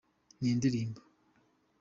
Ni indirimbo.